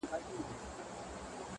• اوس له كندهاره روانـېـــږمه ـ